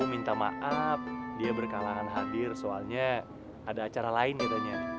minta maaf dia berkalangan hadir soalnya ada acara lain katanya